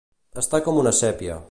Estar com una sèpia.